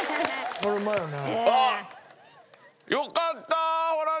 これうまいよね。